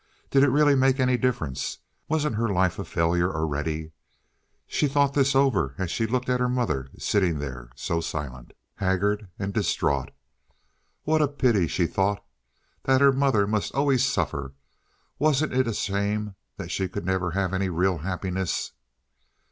Did it really make any difference? Wasn't her life a failure already? She thought this over as she looked at her mother sitting there so silent, haggard, and distraught. "What a pity," she thought, "that her mother must always suffer! Wasn't it a shame that she could never have any real happiness?"